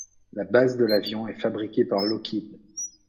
La base de l'avion est fabriquée par Lockheed.